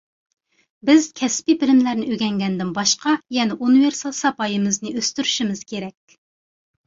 بىز كەسپىي بىلىملەرنى ئۆگەنگەندىن باشقا يەنە ئۇنىۋېرسال ساپايىمىزنى ئۆستۈرۈشىمىز كېرەك.